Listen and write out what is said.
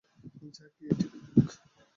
যা গিয়ে টিভি দেখ।